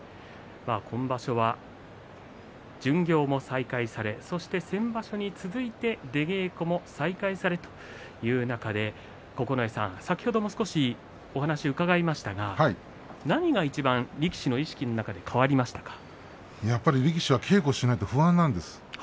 今場所は巡業も再開されて先場所に続いて出稽古も再開されという中で先ほども少しお話を伺いましたが何がいちばんやっぱり力士は稽古しないと不安なんです。